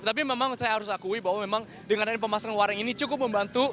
tapi memang saya harus akui bahwa memang dengan pemasangan waring ini cukup membantu